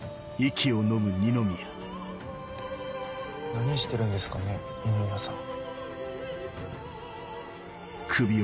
何してるんですかね二宮さん。